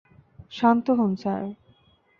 শান্ত হোন, স্যার।